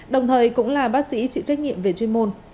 đồng thời cũng là bác sĩ chịu trách nhiệm về chuyên môn